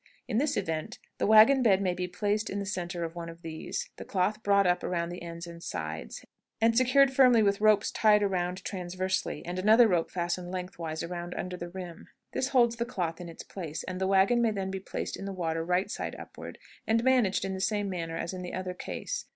In this event, the wagon bed may be placed in the centre of one of these, the cloth brought up around the ends and sides, and secured firmly with ropes tied around transversely, and another rope fastened lengthwise around under the rim. This holds the cloth in its place, and the wagon may then be placed in the water right side upward, and managed in the same manner as in the other case.